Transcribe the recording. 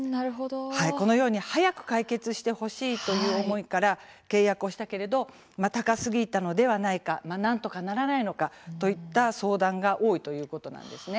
このように早く解決してほしいという思いから契約をしたけれども高すぎたのではないかなんとかならないのかといった相談が多いということなんです。